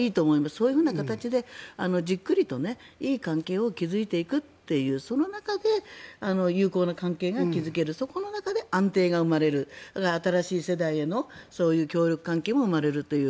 そういう形で、じっくりといい関係を築いていくというその中で有効な関係が築けるそこの中で安定が生まれる新しい世代への協力関係も生まれるという。